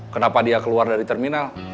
kenapa dia keluar dari terminal